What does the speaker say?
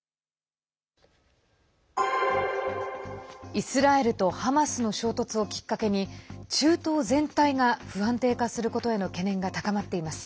イスラエルとハマスの衝突をきっかけに中東全体が不安定化することへの懸念が高まっています。